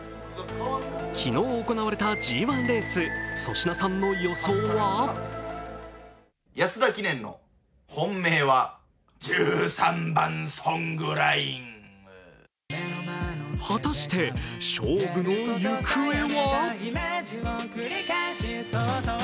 昨日、行われたＧⅠレース粗品さんの予想は果たして、勝負の行方は？